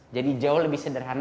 jadi kurang lebih sederhana